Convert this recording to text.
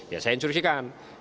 ya saya instruksikan